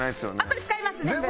これ使います全部。